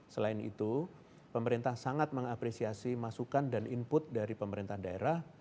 selain itu pemerintah sangat mengapresiasi masukan dan input dari pemerintah daerah